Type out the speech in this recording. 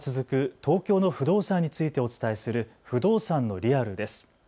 東京の不動産についてお伝えする不動産のリアルです。